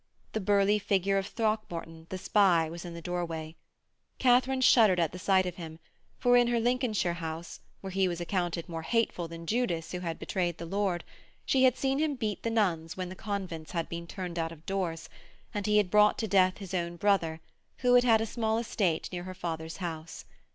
The burly figure of Throckmorton, the spy, was in the doorway. Katharine shuddered at the sight of him, for, in her Lincolnshire house, where he was accounted more hateful than Judas who betrayed the Lord, she had seen him beat the nuns when the convents had been turned out of doors, and he had brought to death his own brother, who had had a small estate near her father's house.